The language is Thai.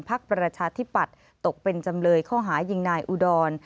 ประชาธิปัตย์ตกเป็นจำเลยข้อหายิงนายอุดร